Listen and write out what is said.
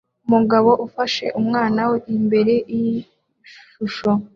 Umugore ufashe umwana we imbere yishusho